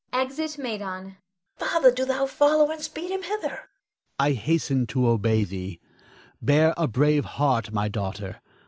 [Exit Medon.] Father, do thou follow, and speed him hither. Adrastus. I hasten to obey thee. Bear a brave heart, my daughter.